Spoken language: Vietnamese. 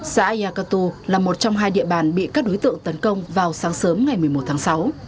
xã yacatu là một trong hai địa bàn bị các đối tượng tấn công vào sáng sớm ngày một mươi một tháng sáu